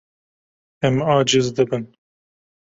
Em aciz dibin.